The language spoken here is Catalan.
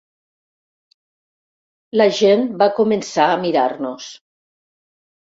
La gent va començar a mirar-nos.